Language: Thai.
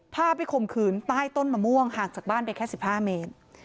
พาไปข่มขืนใต้ต้นมะม่วงห่างจากบ้านไปแค่๑๕เมตร